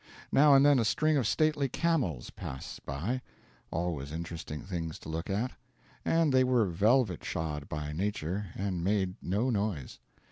Now and then a string of stately camels passed by always interesting things to look at and they were velvet shod by nature, and made no noise.